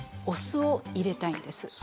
お酢を入れたいんです。